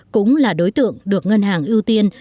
cũng là đối tượng được ngân hàng ưu tiên